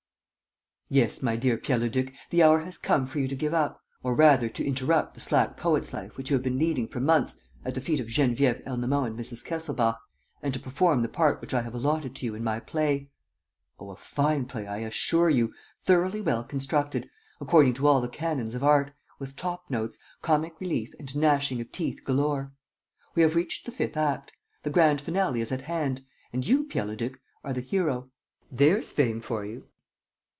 "Yes, my dear Pierre Leduc: the hour has come for you to give up, or rather to interrupt the slack poet's life which you have been leading for months at the feet of Geneviève Ernemont and Mrs. Kesselbach and to perform the part which I have allotted to you in my play ... oh, a fine play, I assure you, thoroughly well constructed, according to all the canons of art, with top notes, comic relief and gnashing of teeth galore! We have reached the fifth act; the grand finale is at hand; and you, Pierre Leduc, are the hero. There's fame for you!"